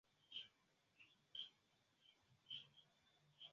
Lingvo-testo estas postulata ekzemple por akceptiĝo en anglalingvaj altlernejoj.